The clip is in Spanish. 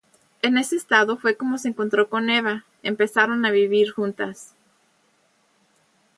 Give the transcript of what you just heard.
En ese estado fue como se encontró con Eva, empezaron a vivir juntas.